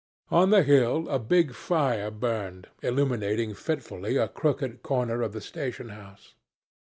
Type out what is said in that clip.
On the hill a big fire burned, illuminating fitfully a crooked corner of the station house.